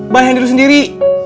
bayangin diri lo sendiri